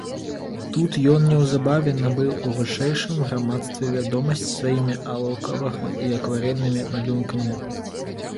Тут ён неўзабаве набыў у вышэйшым грамадстве вядомасць сваімі алоўкавага і акварэльнымі малюнкамі.